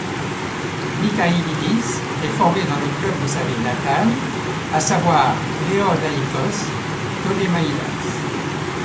Michailídis est formé dans le club de sa ville natale, à savoir l'Eordaïkos Ptolemaïdas.